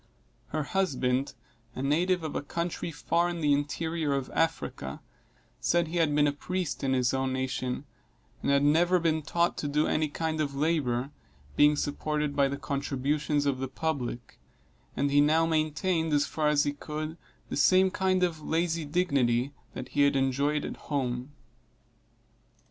Her husband, a native of a country far in the interior of Africa, said he had been a priest in his own nation, and had never been taught to do any kind of labor, being supported by the contributions of the public; and he now maintained, as far as he could, the same kind of lazy dignity, that he had enjoyed at home.